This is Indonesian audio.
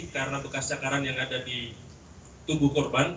karena bekas cakaran yang ada di tubuh korban